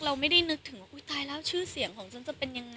เราไม่ได้นึกถึงว่าอุ๊ยตายแล้วชื่อเสียงของฉันจะเป็นยังไง